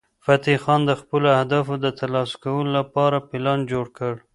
فتح خان د خپلو اهدافو د ترلاسه کولو لپاره پلان جوړ کړ.